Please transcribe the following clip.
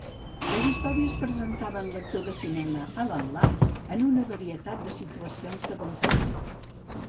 Les històries presentaven l'actor de cinema Alan Ladd en una varietat de situacions d'aventura.